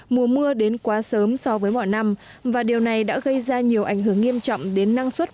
mùa mưa đến quá sớm so với mọi năm và điều này đã gây ra nhiều ảnh hưởng nghiêm trọng đến năng suất